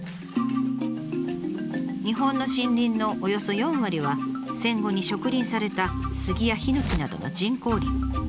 日本の森林のおよそ４割は戦後に植林されたスギやヒノキなどの人工林。